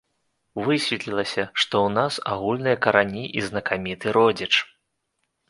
Высветлілася, што ў нас агульныя карані і знакаміты родзіч.